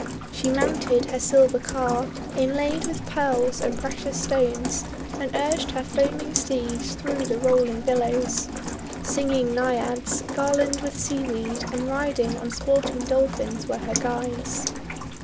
She mounted her silver car, inlaid with Pearls and precious stones, and urged her foaming steeds through the rolling billows. Singing Naiads, garlanded with seaweed, and riding on sporting Dolphins, were her guides.